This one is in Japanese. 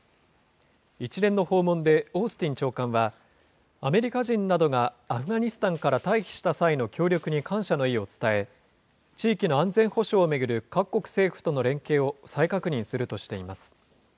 一連の訪問でオースティン長官は、アメリカ人などがアフガニスタンから退避した際の協力に感謝の意を伝え、地域の安全保障を巡る各国政府との連携を再確認するとしています。